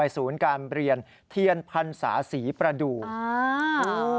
สูญการเรียนเทียนพรรษาศรีประดูก